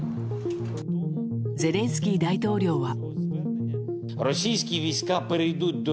ゼレンスキー大統領は。